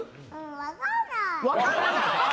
分かんない。